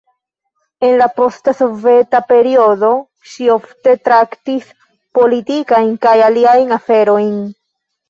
En la posta soveta periodo ŝi ofte traktis politikajn kaj aliajn aferojn.